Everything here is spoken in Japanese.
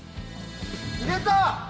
入れた！